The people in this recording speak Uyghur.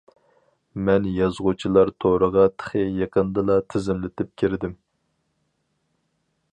مەن يازغۇچىلار تورىغا تېخى يېقىندىلا تىزىملىتىپ كىردىم.